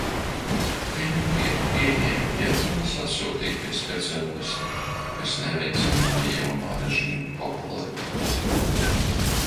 Viņu vietu ieņēma Vjetnamas atsūtītie speciālisti, kas neveicināja jaunā režīma popularitāti.